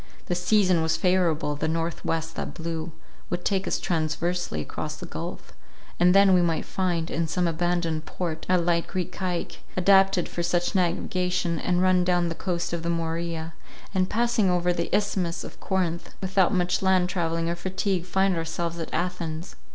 The season was favourable; the north west that blew would take us transversely across the gulph; and then we might find, in some abandoned port, a light Greek caique, adapted for such navigation, and run down the coast of the Morea, and, passing over the Isthmus of Corinth, without much land travelling or fatigue, find ourselves at Athens.